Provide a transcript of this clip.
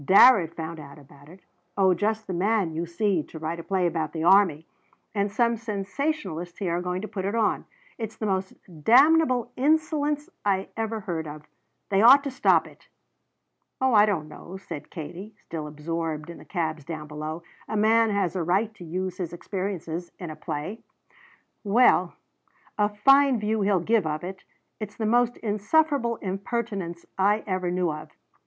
Darrett found out about it. Oh just the man, you see, to write a play about the army! And some sensationalists here are going to put it on. It's the most damnable insolence I ever heard of! They ought to stop it." "Oh, I don't know," said Katie, still absorbed in the cabs down below; "a man has a right to use his experiences in a play." "Well a fine view he'll give of it! It's the most insufferable impertinence I ever knew of!"